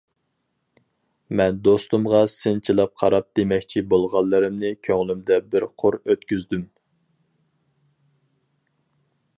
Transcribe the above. مەن دوستۇمغا سىنچىلاپ قاراپ دېمەكچى بولغانلىرىمنى كۆڭلۈمدە بىر قۇر ئۆتكۈزدۈم.